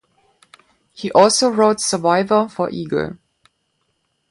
He also wrote "Survivor" for "Eagle".